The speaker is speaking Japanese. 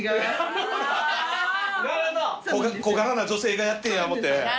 小柄な女性がやってんや思って。